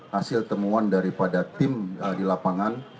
hasil temuan daripada tim di lapangan